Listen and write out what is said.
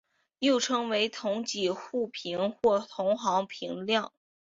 又称为同侪互评或同行评量。